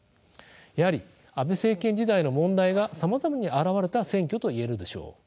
やはり安倍政権時代の問題がさまざまに現れた選挙といえるでしょう。